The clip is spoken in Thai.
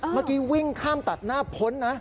เมื่อกี้วิ่งข้ามตัดหน้าพ้นนะ